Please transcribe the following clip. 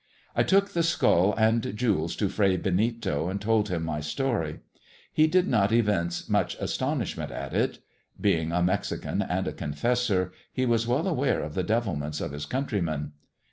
I took the skull and jewels to Fray Benito, and told him my story. He did not evince much astonishment at it. Being a Mexican and a confessor, he was well aware of the devilments of his countrymen.